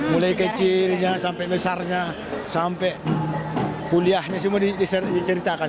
mulai kecilnya sampai besarnya sampai kuliahnya semua diceritakan